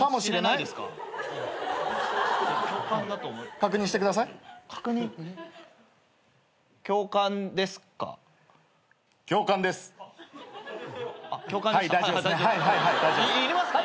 いりますか？